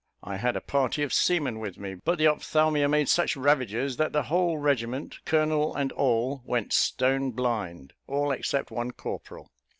I had a party of seamen with me; but the ophthalmia made such ravages, that the whole regiment, colonel and all, went stone blind all, except one corporal!